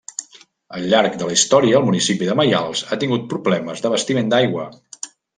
Al llarg de la història el municipi de Maials ha tingut problemes d'abastiment d'aigua.